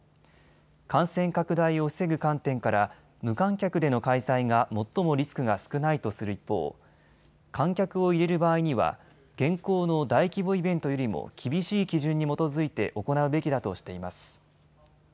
感染拡大を防ぐ観点から無観客での開催が最もリスクが少ないとする一方、観客を入れる場合には現行の大規模イベントよりも厳しい基準に基づいて行うべきだとしています。